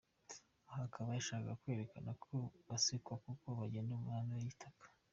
Aha akaba yarashakaga kwerekana ko basekwa kuko bagenda mu mihanda y’itaka.